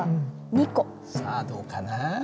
さあどうかな。